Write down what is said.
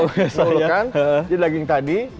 jadi daging tadi